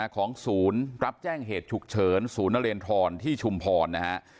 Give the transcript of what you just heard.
ของศูนย์รับแจ้งเหตุฉุกเฉินศูนย์นเรนทรที่ชุมพรนะฮะ